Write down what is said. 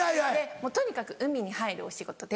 とにかく海に入るお仕事で。